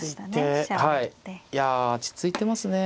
はいいや落ち着いてますね。